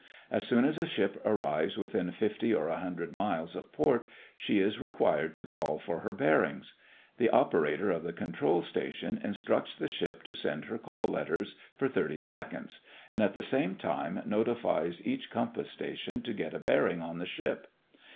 As soon as a ship arrives within fifty or a hundred miles of port she is required to call for her bearings. The operator of the control station instructs the ship to send her call letters for thirty seconds, and at the same time notifies each compass station to get a bearing on the ship.